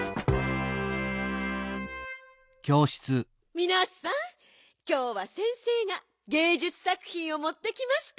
みなさんきょうは先生がげいじゅつさくひんをもってきました。